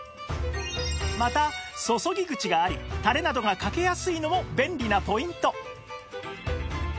また注ぎ口がありタレなどがかけやすいのも便利なポイント